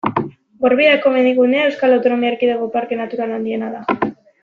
Gorbeiako mendigunea Euskal Autonomia Erkidegoko parke natural handiena da.